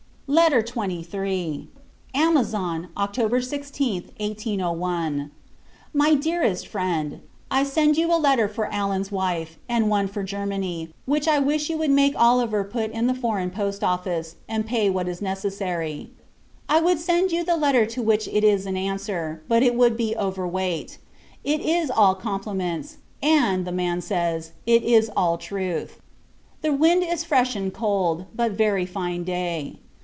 LETTER XXIII. Amazon, October 16th, 1801. MY DEAREST FRIEND, I send you a letter for Allen's wife; and one for Germany, which I wish you would make Oliver put in the Foreign Post Office, and pay what is necessary. I would send you the letter to which it is an answer, but it would be over weight. It is all compliments; and, the man says, it is all truth. The wind is freshened cold, but very fine day.